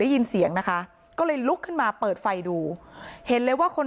ได้ยินเสียงนะคะก็เลยลุกขึ้นมาเปิดไฟดูเห็นเลยว่าคน